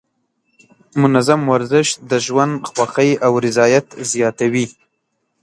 منظم ورزش د ژوند خوښۍ او رضایت زیاتوي.